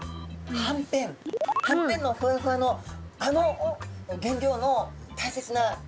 はんぺんのふわふわのあの原料の大切な魚。